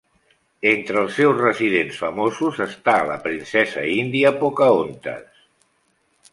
Entre els seus residents famosos està la princesa índia Pocahontas.